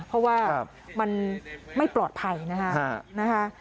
เพราะว่ามันไม่ปลอดภัยนะคะ